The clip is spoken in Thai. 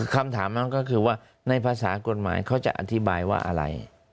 คำถามมันก็คือว่าในภาษากฎหมายเขาจะอธิบายว่าอะไร